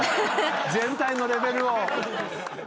全体のレベルを。